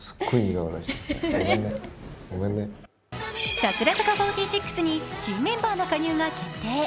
櫻坂４６に新メンバーの加入が決定。